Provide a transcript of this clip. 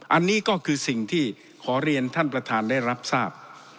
อันนี้ก็คือสิ่งที่ขอเรียนท่านประธานได้รับทราบ